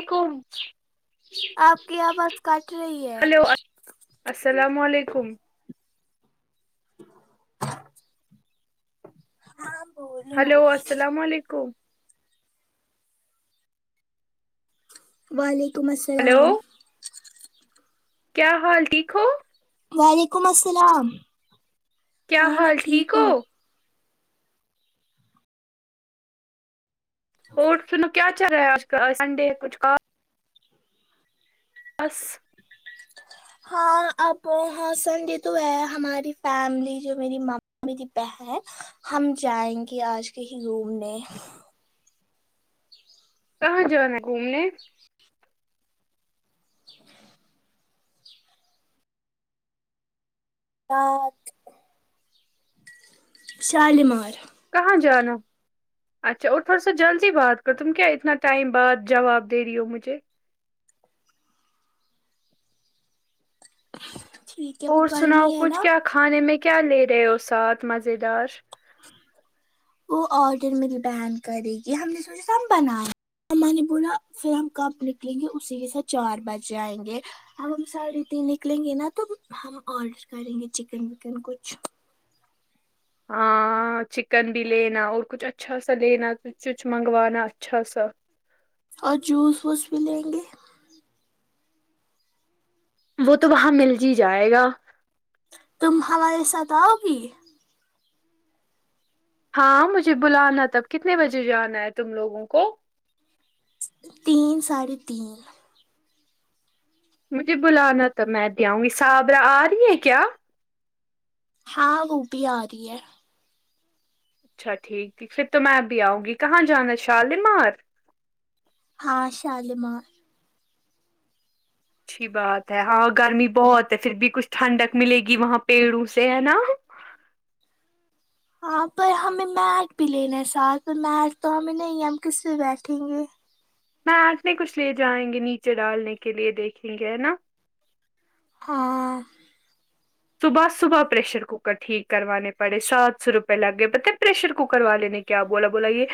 یکن [unintelligible] آپ کی آواز کٹ رہی ہے ہلو السلام علیکم ہیلو السلام علیکم وعلیکم ہلو السلام کیا حال ٹھیک ہو وعلیکم السلام کیا ہاں میں حال ٹھیک ہو ہوں اور سن کیا چل رہا ہے آج کل سنڈے کچھ ک بس ہاں اب ہاں سنڈے تو ہے ہماری فیملی جو میری م میری بہن ہم جائیں گے آج کہی گھومنے کہاں جانا ہے گھومنے پارک شالیمار کہاں جانا اچھا اور تھوڑا سا جلدی بات کر تم کیا اتنا ٹائم بعد جواب دے رہی ہو مجھے ٹھیک ہے وہ اور سناؤ گرمی ہے کچھ نا کیا کھانے میں کیا لے رہے ہو ساتھ مزیدار وہ آڈر میری بہن کرے گی ہم نے سوچا تھا ہم بنانے مما نے بولا پھر ہم کب نکلیں گے اسی کے سات چار بجے آئیں گے اب ہم ساڑھے تین نکلیں گے نا تو ہم آڈر کریں گے چکن وکن کچھ ہاں چکن بھی لینا اور کچھ اچھا سا لینا کچھ کچھ منگوانا اچھا سا اور جوس ووس بھی لیں گے وہ تو وہاں مل ج جائے گا تم ہمارے ساتھ اؤ گی ہاں مجھے ہاں بلانا تب کتنے بجے جانا ہے تم لوگوں کو تین ساڑھے تین مجھے بلانا تب میں بھی آؤں گی صابرہ آ رہی ہیں کیا ہاں وہ بھی آ رہی ہے اچھا ٹھیک ٹھیک پھر تو میں بھی آؤں گی کہاں جانا ہے شالیمار ہاں شالیمار اچھی بات ہے ہاں گرمی بہت ہے پھر بھی کچھ ٹھنڈک ملے گی وہاں پیڑوں سے ہے نا ہاں پر ہمیں میٹ بھی لینا ہے ساتھ میٹ تو ہمیں نہیں ہے ہم کس سے بیٹھیں گے میٹ نہیں کچھ لے جائیں گے نیچے ڈالنے کے لیے دیکھیں گے ہے نا ہاں صبح صبح پریشر کوکر ٹھیک کروانے پڑے سات سو روپئے لگ گئے پتا تھے پریشر کوکر والے نے کیا بولا بولا یے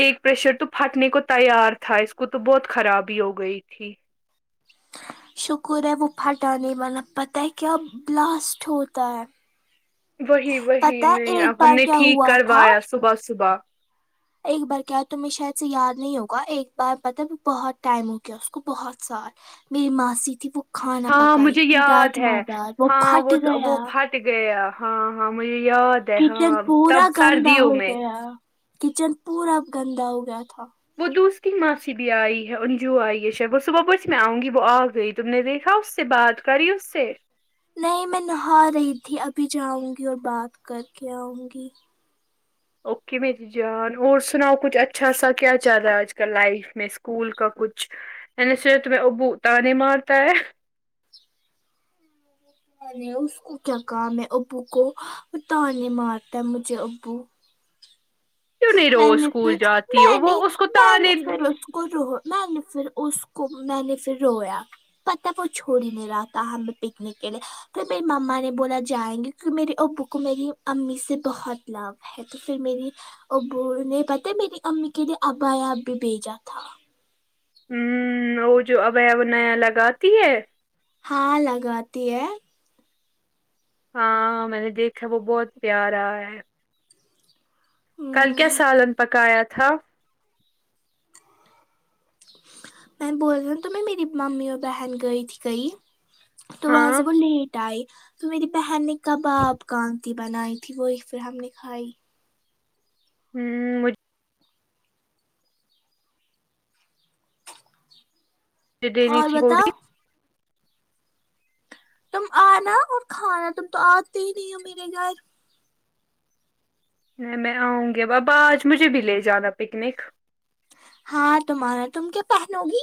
ایک پریشر تو پھٹنے کو تیار تھا اس کو تو بہت خرابی ہو گئی تھی شکر ہے وہ پھٹا نہیں والا پتہ ہے کیا بلاسٹ ہوتا ہے وہی وہی پتا ہے نہیں ایک اب ہم بار نے کیا ٹھیک ہوا تھا کروایا صبح صبح ایک بار کیا تمیں شاید سے یاد نہیں ہوگا ایک بار پتا میں بہت ٹائم ہو گیا اس کو بہت سال میری ماسی تھی وہ کھانا ہاں پکائی مجھے تھی یاد راجما دال وہ پھٹ گیا ٹ گیا ہاں ہاں مجھے یاد ہے کچن ہاں تب پورا گندا سردیوں ہو میں گیا کچن پورا گندا ہو گیا تھا وہ دوست کی ماسی بھی آئی ہے ان جو آئی ہے شید بس صبح بس میں آؤں گی وہ آ گئی تم نے دیکھا اس سے بات کری اس سے نہیں میں نہا رہی تھی ابھی جاؤں گی اور بات کر کے آؤں گی اوکے میری جان اور سناؤ کچھ اچھا سا کیا چل رہا ہے آج کل لائف میں اسکول کا کچھ یعنی سیٹ میں ابو تانے مارتا ہے میں نے اس کو کیا کام ہے ابو کو تانے مارتا مجھے ابو کیوں نہیں میں روز نے فیر اسکول جاتی میں ہو نہیں وہ اس کو میں نے فیر تانے اس کو رو میں نے فیر اس کو میں نے فیر رویا پتا ہے وہ چھڑ ہی نہیں رہا تھا ہمیں پکنک کے لیے پھر میری مما نے بولا جائیں گے کیونکی میرے ابو کو میری امی سے بہت لوو ہے ہے تو فیر میری ابو نے پتا میری امی کے لیے ابایا بھی بھیجا تھا آمم وہ جو ابایا وہ نیا لگاتی ہے ہاں لگاتی ہے ہاں میں نے دیکھا وہ بہت پیارا ہے کل کیا ہمم سالن پکایا تھا میں بول ریو تمیں میری ممی اور بہن گئی تھی کہی تو وہاں ہاں سے وہ لیٹ آئے تو میری بہن نے کباب کا تی بنائی تھی وہی فیر ہم نے کھائی آمم مجھ مجھے دے نی اور تھی بتا تھوڑی سی تم آنا اور کھانا تم تو آتی ہی نہیں ہو میرے گھر نہیں میں آؤں گی اب آج مجھے بھی لے جانا پکنک ہاں تمہارا تم کیا پہنو گی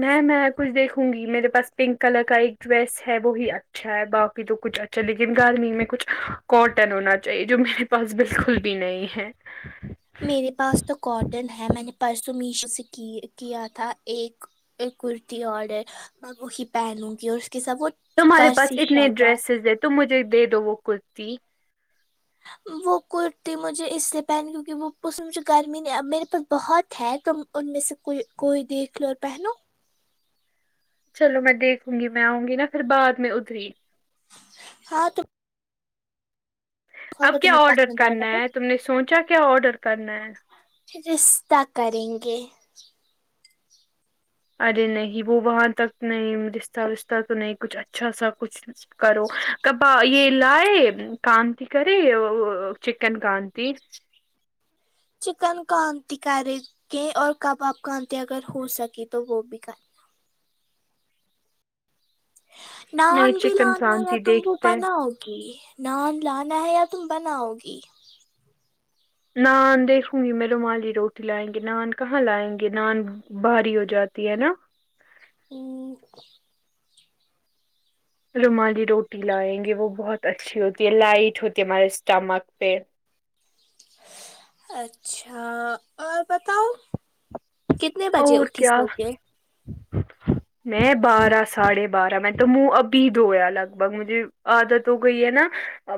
میں میں کچھ دیکھوں گی میرے پاس پنک کلر کا ایک ڈریس ہے وہی اچ چھا ہے باکی تو کچھ اچھا لیکن گرمی میں کچھ کاٹن ہونا چاہیے جو میرے پ پاس بالکل بھی نہیں ہے میرے پاس تو کاٹن ہے میں نے پرسوں میشو سے کی کیا تھا ایک ایک کرتی اڈر میں وہی پہنوں گی اور اس کے سب وہ تمہارے پاس فرسی اتنے شلوار ڈریسزز ہے تم مجھے دے دو وہ کرتی وہ کرتی مجھے اس لیے پہنی کیونکہ وہ اس میں مجھے گرمی نہیں میرے پاس بہت ہے تو ان میں سے کوئی کوئی دیکھ لو اور پہنو چلو میں دیکھوں گی میں آؤں گی نا پھر بعد میں ادھری ہاں تو اب اگر کیا تمہیں آڈر پسند آئے گا کرنا ہے تو تم نے سوچا کیا آڈر کرنا ہے رستہ کریں گے ارے نہیں وہ وہاں تک نہیں رشتہ وشتہ تو نہیں کچھ اچھا سا کچھ کرو کبا یے لائے کام تی کرے وہ او چکن کانتی چکن کانتی کرے گے اور کباب کانتی اگر ہو سکی تو وہ بھی کرے نان نہیں بھی چکن لانارا کانتی [unintelligible] تب دیکھتے ہیں۔ پنا ہوگی نان لانا ہے یا تم بناؤ گی نان دیکھوں گی میں رومالی روٹی لائیں گے نان کہاں لائیں گے نان بھاری ہو جاتی ہے نا ہمم رومالی روٹی لائیں گے وہ بہت اچھی ہوتی ہے لائٹ ہوتی ہے ہمارے اسٹمک پہ اچھا اور بتاؤ کتنے بجے اور اٹھی کیا سو کے میں بارہ ساڑھے بارہ میں تو منہ ابھی دھویا لگ بھگ مجھے عادت ہو گئی ہے نا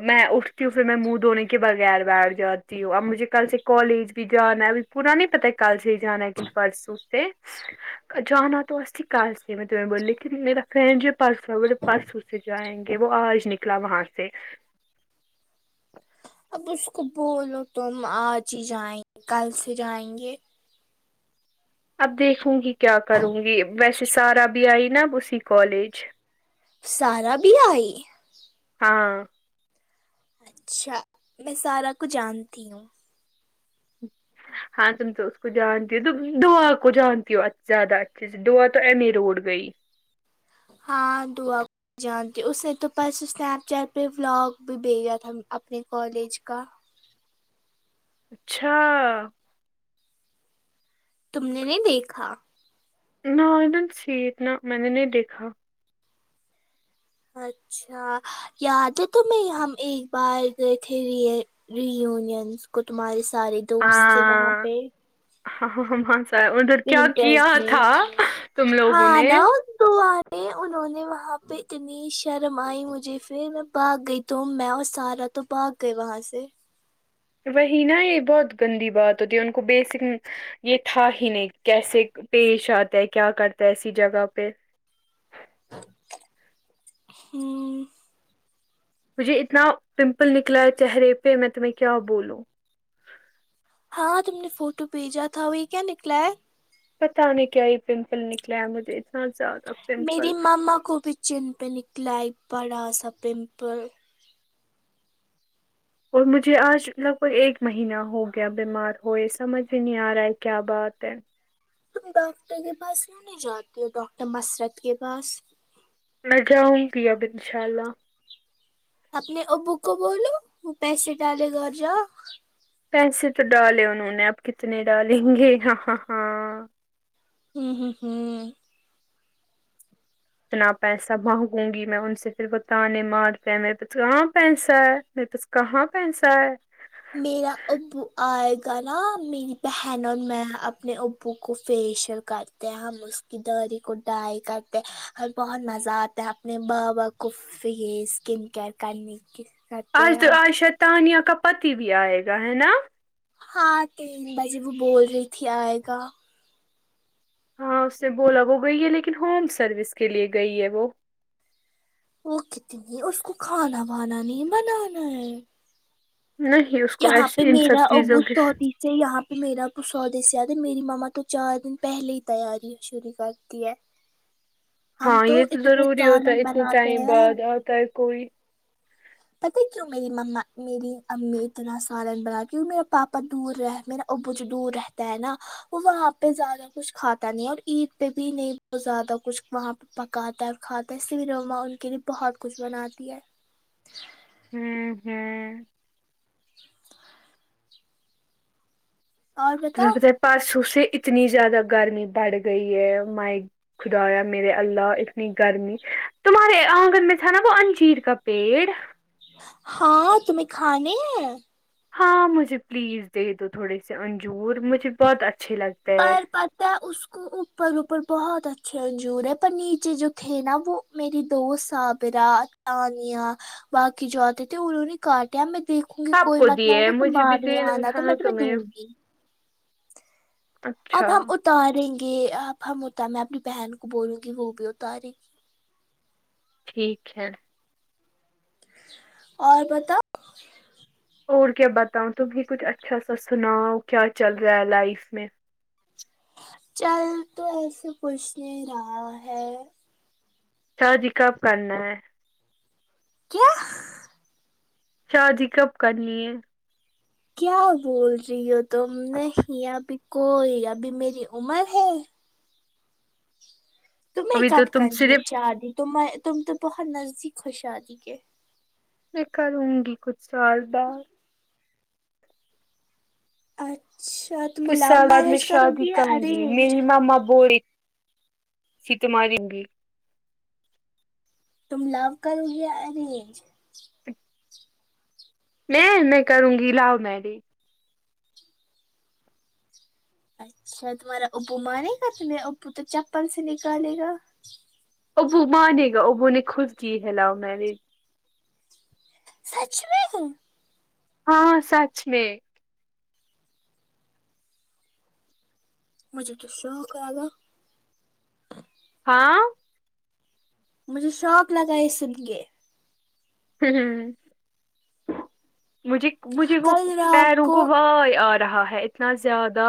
میں اٹھتی ہوں پھر میں منہ دھونے کے بغیر بیٹھ جاتی ہوں اب مجھے کل سے کالج بھی جانا ہے اب پورا نہیں پتا ہے کل سے ہی جانا ہے کے پرسوں سے جانا تو اھی [unintelligible] کار سے میں ت [unintelligible] بوللی لیکن میرا فنڈ ج پس ہو بس اسے جائیں گے وہ آج نکلا وہاں سے اب اس کو بولو تم آج ہی جائیں گے کل سے جائیں گے اب دیکھوں گی کیا کروں گی ویسے سارا بھی آئی نا اب اسی کالج سارا بھی آئی ہاں اچھا میں سارا کو جانتی ہوں ہاں تم تو اس کو جانتی ہو دعا کو جانتی ہو زیادہ اچھے سے دعا تو ایم اے روڈ گئی ہاں دعا کو جانتی اس نے تو بس اسنیپ چیٹ پہ بلاگ بھی بھیجا تھا اپنے کالج کا اچھا تم نے نہیں دیکھا نو آئی دیدنٹ سی ات نہ میں نے نہیں دیکھا اچھا یاد ہے تو میں ہم ایک بار گئے تھے رییونینس کو تمہارے سارے دوست تھے وہاں پہ ہاں ہاں سا ادھر کیا ونٹرس کیا میں تھا تم لوگوں ہاں نے نا [unintelligible] دو آنے انہوں نے وہاں پہ اتنی شرم آئی مجھے پھر میں بھاگ گئی تو میں اور سارا تو بھاگ گایے وہاں سے وہی نا یہ بہت گندی بات ہوتی ہے ان کو بیسک یہ تھا ہی نہیں کیسے پیش آتا ہے کیا کرتا ہے ایسی جگہ پہ ہوں مجھے اتنا پمپل نکلا ہے چہرے پہ میں تمہیں کیا بولوں ہاں تم نے فوٹو بھیجا تھا وہی کیا نکلا ہے پتا نہیں کیا یہ پمپل نکلا ہے مجھے اتنا زیادہ پمپل میری ماما کو بھی چین پہ نکلا ہے ایک بڑا سا پمپل اور مجھے آج لگ بھگ ایک مہینہ ہو گیا بیمار ہوئے سمجھ میں نہیں آ رہا ہے کیا بات ہے تم ڈاکٹر کے پاس کیوں نہیں جاتے ہو ڈاکٹر مسرت کے پاس میں جاؤں گی اب ان شاء اللہ اپنے ابو کو بولو پیسے ڈالے گھر جاؤ پیسے تو ڈالے انہوں نے آپ کتنے ڈالیں گے ہاں ہاں ہاں ہوں ہوں ہوں اتنا پیسہ منگوگی نہ میں ان سے پھر وہ تانے مارتے میرے پاس کہاں پیسہ ہے میرے پس کہاں پیسہ ہے میرا ابو آئے گا نا میری بہن اور میں اپنے ابو کو فیشر کرتی ہم اس کی ڈری کو ڈائی کرتے اور بہت مزہ آتا ہے اپنے با با کو فیس اسکن کیئر کرنے کی کرتے آج ہیں تو ہم آج شاید تانیا کا پتی بھی آئے گا ہے نا ہاں تین بجے وہ بول رہی تھی آئے گا ہاں اس نے بولا وہ گئی ہے لیکن ہوم سروس کے لیے گئی ہے وہ وہ کتنی ہے اس کو کھانا وانا نہیں بنانا ہے نہیں کو یہاں ایس پہ ان میرا سب ابو چیزوں کی سوری ج یہاں پہ میرا تو سودے سے زیادہ میری ماما تو چار دن پہلے ہی تیاری شرع کرتی ہے ہم ہاں تو یہ اتنے سالن بناتے ہیں ت ہے کوئی [unintelligible] پتا کیوں میری مما میری امی اتنا سالن بنا کیوں میرا پاپا دور رہے میرا ابوجو دور رہتا ہے نا وہ وہاں پہ زیادہ کچھ کھاتا نہیں ہے اور عید پہ بھی نہیں وہ زیادہ کچھ وہاں پہ پکاتا ہے کھاتا ہے اسلئے بھی مما ان کے لیے بہت کچھ بناتی ہے ہ ہوں ہوں اور تمھے بتاؤ پاتاہے پرسوں سے اتنی زیادہ گرمی بڑھ گئی ہے مائ خدایا میرے اللہ اتنی گرمی تمہارے آنگن میں تھا نا وہ انجیر کا پیڑ ہاں تمہیں کھانے ہیں ہاں مجھے پلیز دے دو تھوڑے سے انجور مجھے بہت اچھے لگتے ہے پر پتہ ہے اس کو اوپر اوپر بہت اچھے انجور ہے پر نیچے جو تھے نا وہ میری دو صابیرا انیا باقی جو آتے تھے انہوں نے کاٹیا میں دیکھ دکھوں گی سب کوئی کو مت نہ دیے ہوا تو مجھے بھی بعد میں دینا تھا آنامیں نا تمھے تمہیں دوں گی اب اچھا ہم اتاریں گے اب ہم اتار میں اپنی بہن کو بولوں گی وہ بھی اتارے گی ٹھیک ہے اور بتاؤ اور کیا بتاؤں تمہی کچھ اچھا سا سناؤ کیا چل رہا ہے لائف میں چل تو ایسے کچھ نہیں رہا ہے شادی کب کرنا ہے کیا شادی کب کرنی ہے کیا بول رہی ہو تم نہیں ابھی کوئی ابھی میری عمر ہے تمہیں ابھی کب تو تم کرنی ہے صرف شادی تمے تم تو بہت نزدیک ہو شادی کے میں کرونگی کچھ سال بعد اچھا تم کچھ لو سال بعد میں میرج کرو شادی گی یا کروں گی ارینج میری ماما بولے تھی تمہاری بھی تم لوو کروگی یہ ارینج تو میں میں کرونگی لوو میریج اچھا تمہارا ابو مانے گا تمہیں ابو تو چپل سے نکالے گا ابو مانے گا ابو نے خود کی ہے کی ہے لوو میرج اچھ میں ہے ہاں سچ میں مجھے تو شوق آگا ہاں مجھے شوق لگا یے سن کے ہ ہ مجھے مجھے وہ کل رات پیروں کو وائے آ رہا ہے اتنا زیادہ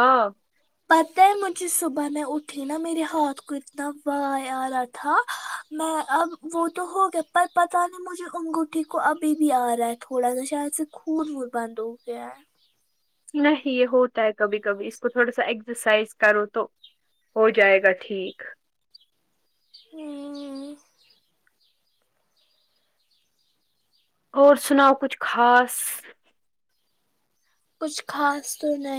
پتہ ہے مجھے صبح میں اٹھی نا میرے ہاتھ کو اتنا وائے آرا تھا میں اب وہ تو ہو گیا پر پتا نہیں مجھے انگوٹھی کو ابھی بھی آ رہا ہے تھوڑا سا شاید سے خون وہ بند ہو گایا ہے نہیں یے ہوتا ہے کبھی کبھی اس کو تھوڑا سا ایکسرسائز کرو تو ہو جائے گا ٹھیک ہ اور سناؤ کچھ خاص کچھ خاص تو نہیں